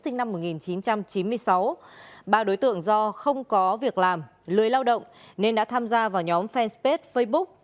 sinh năm một nghìn chín trăm chín mươi sáu ba đối tượng do không có việc làm lười lao động nên đã tham gia vào nhóm fanpage facebook